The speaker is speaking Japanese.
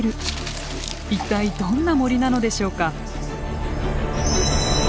一体どんな森なのでしょうか？